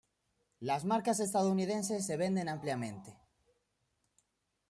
Las marcas estadounidenses se venden ampliamente.